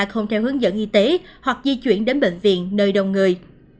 không theo hướng dẫn y tế hoặc di chuyển đến bệnh viện nơi đông người